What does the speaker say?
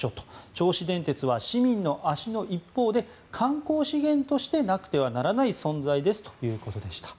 銚子電鉄は市民の足の一方で観光資源としてなくてはならない存在ですということでした。